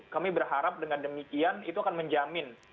kami berharap dengan demikian itu akan menjamin